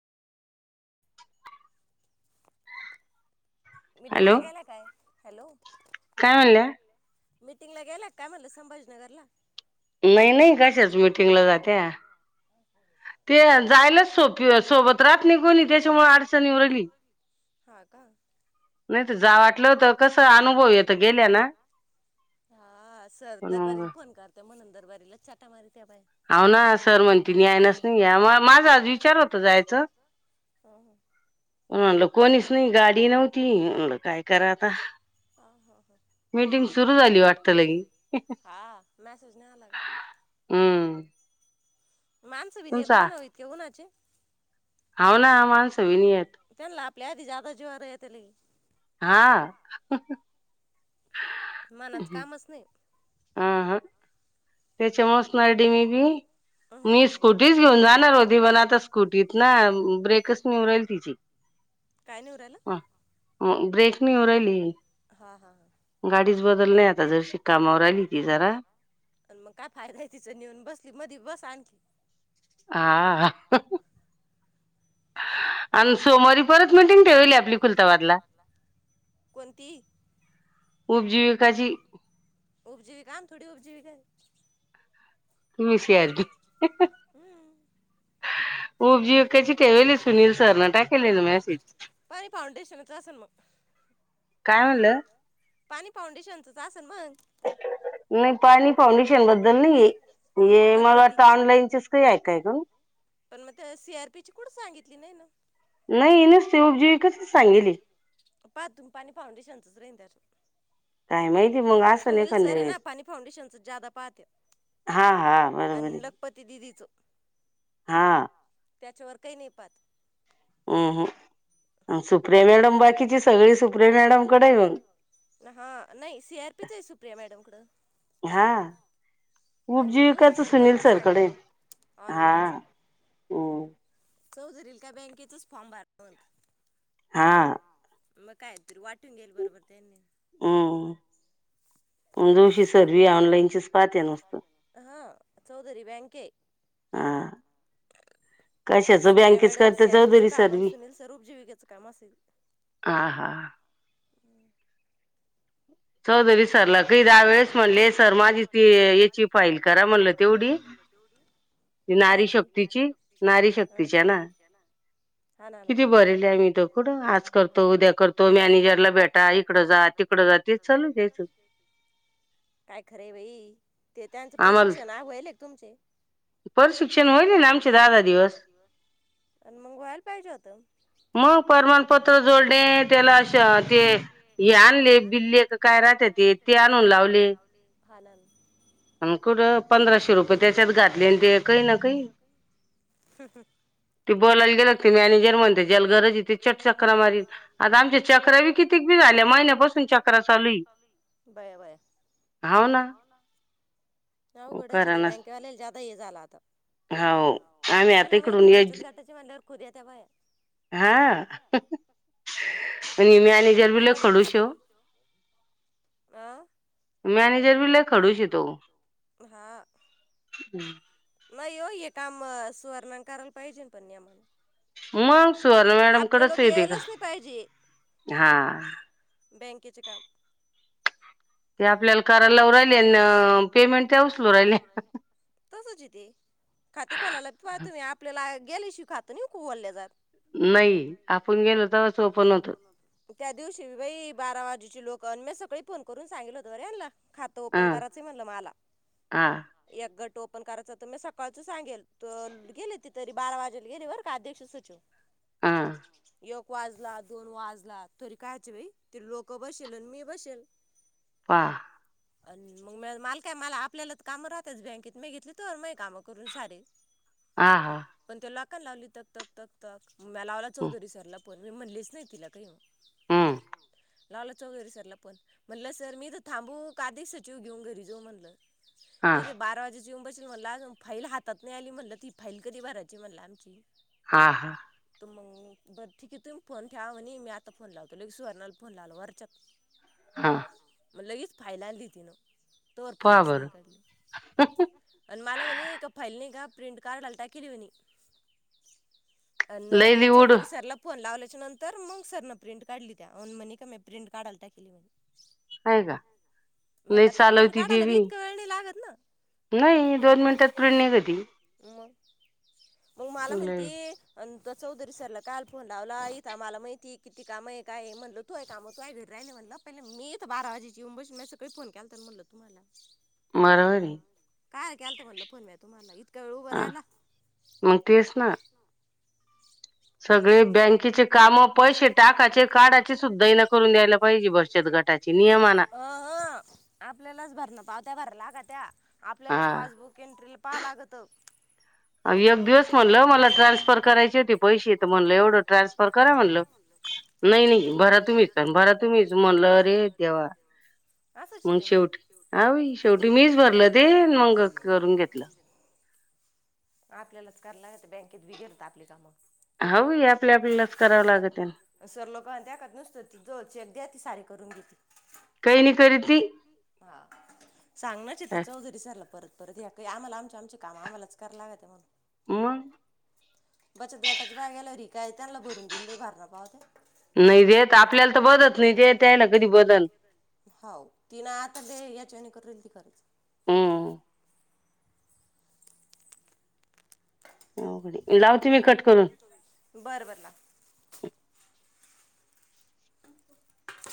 मीटिंगला गेला काय हॅलो. मिटिंग ला गेला काय म्हणलं संभाजीनगरला. नाही-नाही कशाच मिटिंगला जात्या, ते जायलाच सो सोबत राहत नाही कोणी त्याच्यामुळ अडचण येऊन राहिली. हा का. नाही तर जा वाटलं होत कस अनुभव येत गेल्या ना पण मंग. दरबारीला चाटा मारी. हाव ना सर म्हणते मी हाय ना, यामुळे माझा आज विचार होता जायचा. हम्म. म्हणल कोणीच नाही गाडी नव्हती. म्हनलं काय कराव आता, मीटिंग सुरु झाली वाटत लई हम्म. माणसं बि नेत नाही ना हो इतक्या उन्हाचे. हो ना माणस बी नाही येत. आपल्या आदी ज्यादा जीवावर येत लई. हा मनाच कामच नाही. अह. त्याच्यामुळेसणारडी मी बी मी स्कूटीच घेऊन जाणार होती पण आता स्कूटीत ना ब्रेकच नि येउ राहिली तिची हम्म ब्रेक नि येउ राहिली गाडीच बदलनये आता जरशी कामावर आली ती जरा. काय फायदा आहे तिचां नेऊन बसली मधी बस [inaudible] आह आणि सोमवारी परत मीटिंग ठेवेलहे आपली खुलताबादला. उपजीविकाची उपजीवीका आन थोडी उपजीविका तुम्ही सीआरडि. उपजीविका ची ठेवेल आहे ना सुनील सरन टाकेल आहे ना मॅसेज. काय म्हणलं? नाही पाणी फाउंडेशन बद्दल नई मला वाटत ऑनलाईनचच काही हाय का ग. सी. आर पी ची, कुठ सांगितली नाही ना. नाही सेवपजीविकच सांगेली. पा तुम पाणी फांडेशनचंच सुनील सर हे ना पाणी फाउंडेशन च जादा पाहते. आणि लखपती दिदीच. हा. त्याच्यावर काहीं नाही पाहात. हम् ह. सुप्रिया मॅडम - हा. नाही सी आर पी च आहे सुप्रिया मॅडम कड. हां, अन जोशी सर बरोबर सांगत्या मग ऑनलाईन च- चौधरीला काय बँकेेचच फॉर्म भरण होत - हा- मग कायतर, वाटतं- टून गेईल, बरोबर त्यांनी. हा. चौधरी बँके, Supriya madam C R P च काम आणि सुनील सर उपजीविकेच काम असये - हम. चौधरी- सरला काही दहा वेळेस म्हणले. सर माझी ती याची फाईल करा म्हणल तेवढी, नारी शक्तीची नारी शक्तीच्या ना? किती बरेल मी त कुठ आज करतो उद्या करतो मॅनेजरला भेटा इकड जा तिकड जात ते - चालू [unintelligible] काय खरय बाई? ते त्यांच प्रशिक्षण व्हायलं का तुमचे? प्रशिक्षण होएल ए ना आमच दहा दहा दिवस. अन मग व्हायला पाहिजे होत. मग? परमाणपत्र जोडले त्याला ते हे आणले. [unintelligible] काय रहा - ते आणून लावले. आणि कुठं पंधराशे रुपये त्याच्यात घातलेण ते काही ना काही. ते बोलायला गेल ते मॅनेजर म्हणते ज्याला गरज ए ते चट चक्रा मारील. आता आमच्या चक्र बी कितीक झाल्या महिन्यापासून चक्रा चालूय बरं बर. अवघडचए तेे. बँकेवाल्याला जादा हे झालं आता. त्यांला माहितीए बचत गटाची ए म्हंटल्यावर खुद येत्यात बाया. हं. आणि म्या - मॅनेजर बी लई खडूस ए ओ, मॅनेजर बी लई खडूश ए तो. हा. नाही हो. ये काम -सुवर्णाने करायला पाहिजेल पण नेमाने. मग? सुवर्णा मॅडम कडचये ते काम. हा- त्याचे काम - ते आपल्याला करायला लावू राहिले आणि पेमेंट ते उचलू राहिले. तसंचए ते, खाते खोलायला पाहय तुम्ही आपल्याला गेल्या शिवाय खात नाही खोलल्या जात. नाही आपण गेलो तरच ओपन होत. त्या दिवशी बी बाई बारा वाजे- लोक, अन म्या सगळी फोन करून सांगेलं हो - [unintelligible] खातं ओपन करायचंय म्हणलं मला. एक -गट ओपन करायचा तर मी सकाळच सांगेल. गेले त तरी बारा वाजेला गेले बर का अध्यक्ष सचिव. हा. एक वाजला, दोन वाजला तरी कायच बाई. ते लोक बसेल आणि मी बसेल. आ. अन मग म मला काय, आपल्याला तर काम राहता तच बँकेत, मी घेतली तवर माझी सगळी कामं करून सारे. हा हा. कथ लावली क तक तकतक - म लावला चौधरी सरला - - फोन मी म्हणलेच नाही तिला काहीन- - लाल चौगरी सरला फोन म्हणलं सर मी - थांबू का काधी सचिव घेऊन घरी जाऊ म्हणलं. इथ बारा वाजे येऊन बसल म्हणलं अजुन फाईल हात नाही आली. म्हणलं ती फाईल कधी भरायची म्हणला आमची? हा हा. मग बरं ठीक आहे तुम फोन ठेवा म्हणे मी आता फोन लावतो. अलेग सुवर्णाला फोन लावला वरच्याक- - हा. म लगेच फाईल आणली तिनं तोर फैलच नाही कडलं आणि मला म्हणे का फैलणे का? प्रिंट कार्डलता किली विनी- - अन् म्या चौधरी सरला फोन लावला त्याच्यानंतर मंग सरन प्रिंट काढली त्या म्हणे का प्रिंट काढालता कि लिहुन होय का? नाही चालवती देवी नाही दोन मिनटात प्रि नाही देती - - म मला म्हणती - - चौधरी सरला काल फोन लावला इथ मला माहितीय किती काम हाय. काय हाय म्हणल तू हाय काम तूय घरी राहि म्हणलं पहि मी बारा वाजेची येऊ ब मी सग फोन केलता म्हटलं तुम्हाला - - काय केल तर म्हटलं फोन म तुम्हाला इतका वेळ उभं राहिला. सगळे बँकेचे काम पैसे टाकाचे काडाजे सुद्धा हिला करून द्यायला पाहिजे बचत गटाचे. अ ह आपल्यालाच भरणं पावत्या भरला - - आगत्या - - आपल्यालाच पासबुक एंट्रीला पाहा लागत. एक दिवस म्हणलं मला ट्रान्सफर करायचे ते पैसे तर म्हणलं एवढं ट्रान्सफर कराय म्हणलं नाही नाही भरा तुम्हीच भरा तुम्हीच म्हणलं- - अरे देवा मग शेवटी आई शेवटी मीच भरल ते मग करून घेतलं. आपल्यालाच कराय लागत बँकेत विघेरत आपली कामं - - सर लोक म्हणत्या नुसत ती ज चेक द्या का सारी - - करुन ते - काही नाही करी ती सांगना [unintelligible] घरी सारला परत. तर द्या काही आम्हाला आमच्या आमचे काम आम्हाच करा लागं म्हणून - - बचत गटाच्या बाय गेला र काय त्यांना भरून देन बाई, नाही देत आपल्याला तर बघत नाही, ना हो तिन आता दे याच्याने करेल ती कर. लावते मी कट. बरं, बरं लाव.